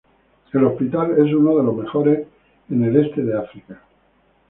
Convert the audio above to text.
El hospital es uno de los mejores en el este de África.